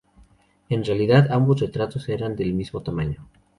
En realidad ambos retratos eran del mismo tamaño.